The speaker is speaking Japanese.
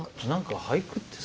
俳句ってさ